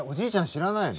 知らない。